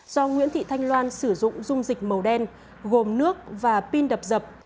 do nguyễn thị thanh loan sử dụng dung dịch màu đen gồm nước và pin đập dập